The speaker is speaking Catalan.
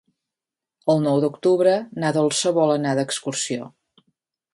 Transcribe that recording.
El nou d'octubre na Dolça vol anar d'excursió.